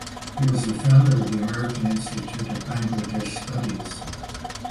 He was the founder of the American Institute of Bangladesh Studies.